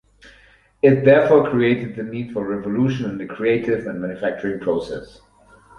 It therefore created the need for a revolution in the creative and manufacturing process.